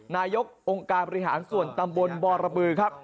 นายกองค์การบริหารส่วนตำบลบรบือครับ